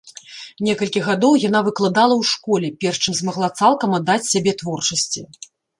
Некалькі гадоў яна выкладала ў школе, перш чым змагла цалкам аддаць сябе творчасці.